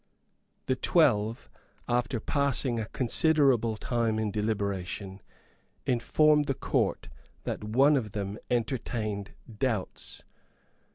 The twelve, after passing a considerable time in deliberation, informed the Court that one of them entertained doubts.